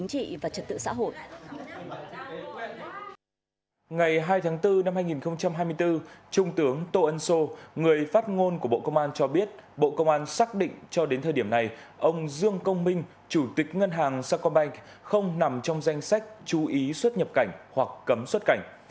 ngày hai tháng bốn năm hai nghìn hai mươi bốn trung tướng tô ân sô người phát ngôn của bộ công an cho biết bộ công an xác định cho đến thời điểm này ông dương công minh chủ tịch ngân hàng sacombank không nằm trong danh sách chú ý xuất nhập cảnh hoặc cấm xuất cảnh